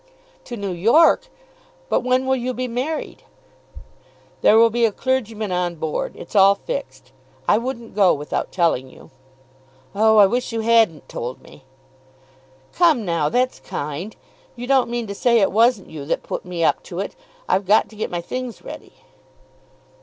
"To New York! But when will you be married?" "There will be a clergyman on board. It's all fixed. I wouldn't go without telling you." "Oh; I wish you hadn't told me." "Come now; that's kind. You don't mean to say it wasn't you that put me up to it. I've got to get my things ready."